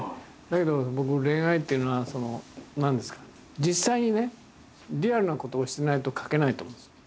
だけど僕恋愛っていうのは実際にねリアルなことをしてないと描けないと思うんですよ。